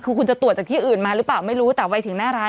คือคุณจะตรวจจากที่อื่นมาหรือเปล่าไม่รู้แต่ไปถึงหน้าร้าน